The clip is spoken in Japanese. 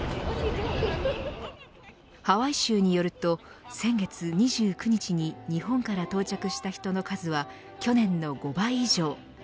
ハワイ州によると先月２９日に日本から到着した人の数は去年の５倍以上。